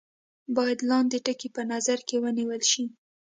باید لاندې ټکي په نظر کې ونیول شي.